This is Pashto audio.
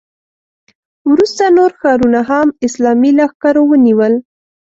وروسته نور ښارونه هم اسلامي لښکرو ونیول.